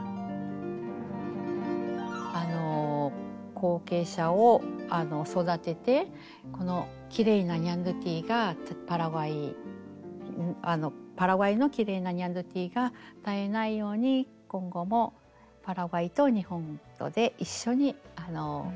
後継者を育ててこのきれいなニャンドゥティがパラグアイのきれいなニャンドゥティが絶えないように今後もパラグアイと日本とで一緒に活動をしていきたいと思ってます。